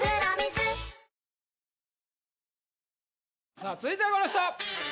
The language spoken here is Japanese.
さあ続いてはこの人！